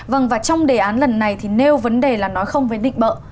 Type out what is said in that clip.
vâng và trong đề án lần này thì nêu vấn đề là nói không với định bợ